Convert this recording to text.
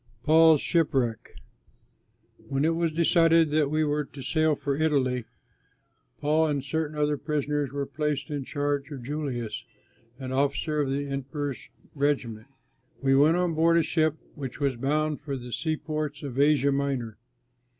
PAUL'S SHIPWRECK When it was decided that we were to sail for Italy, Paul and certain other prisoners were placed in charge of Julius, an officer of the Emperor's regiment. We went on board a ship which was bound for the seaports of Asia Minor.